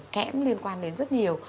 kém liên quan đến rất nhiều